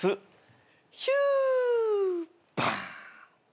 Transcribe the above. ヒューバン！